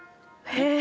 へえ。